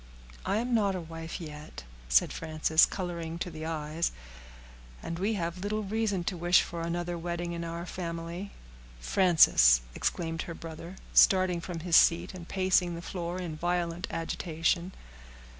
"I am not a wife yet," said Frances, coloring to the eyes; "and we have little reason to wish for another wedding in our family." "Frances!" exclaimed her brother, starting from his seat, and pacing the floor in violent agitation.